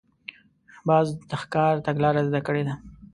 باز د ښکار تګلاره زده کړې ده